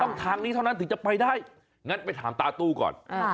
ทางนี้เท่านั้นถึงจะไปได้งั้นไปถามตาตู้ก่อน